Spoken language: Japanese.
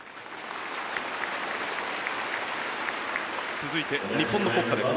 続いて日本の国歌です。